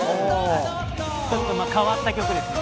ちょっと変わった曲ですね。